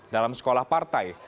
dalam sekolah partai